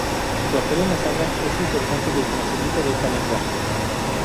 Su papel en la saga es el causante del conocimiento de esta lengua.